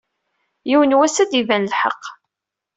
Yiwen wass ad d-iban lḥeqq.